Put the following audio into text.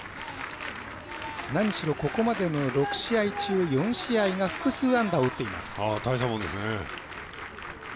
何しろ、ここまでの６試合中４試合が複数安打を打っています。